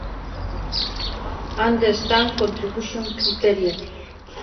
En la actualidad, las corridas de toros están prohibidas en muchos países.